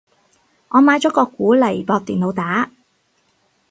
我買咗個鼓嚟駁電腦打